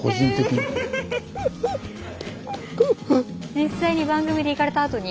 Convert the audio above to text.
実際に番組で行かれたあとに？